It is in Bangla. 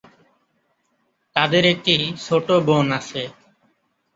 তাদের একটি ছোট বোন আছে।